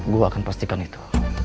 gue akan pastikan itu